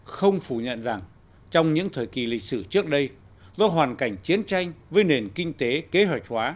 không phủ nhận rằng trong những thời kỳ lịch sử trước đây do hoàn cảnh chiến tranh với nền kinh tế kế hoạch hóa